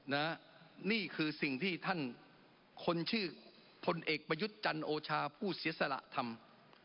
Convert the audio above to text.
นี่คือสิ่งที่ท่านคนชื่อพลเอกประยุทธ์จันโอชาผู้เสียสละทำ